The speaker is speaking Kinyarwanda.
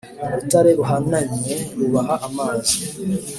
urutare ruhanamye rubaha amazi,